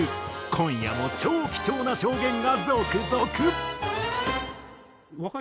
今夜も超貴重な証言が続々！